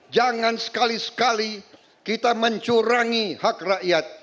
jangan sekali sekali kita mencurangi hak rakyat